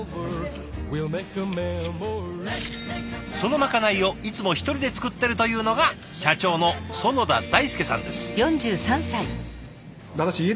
そのまかないをいつも１人で作ってるというのが社長の囿田大輔さんです。